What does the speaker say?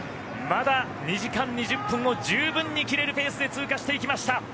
まだ２時間２０分を十分に切れるペースで通過していきました。